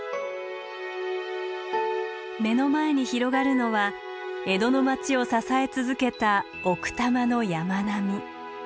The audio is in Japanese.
目の前に広がるのは江戸の町を支え続けた奥多摩の山並み。